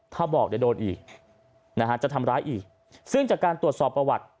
ถ้าบอกเดี๋ยวโดนอีกนะฮะจะทำร้ายอีกซึ่งจากการตรวจสอบประวัติ